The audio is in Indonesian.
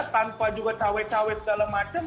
tanpa juga cawek cawek segala macam